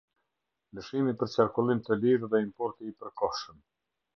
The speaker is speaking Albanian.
Lëshimi për qarkullim të lirë dhe importi i përkohshëm.